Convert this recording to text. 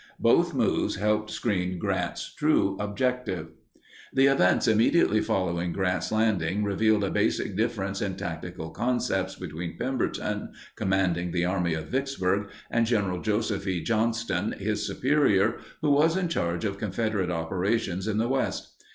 Both moves helped screen Grant's true objective. The events immediately following Grant's landing revealed a basic difference in tactical concepts between Pemberton, commanding the Army of Vicksburg, and Gen. Joseph E. Johnston, his superior, who was in charge of Confederate operations in the West.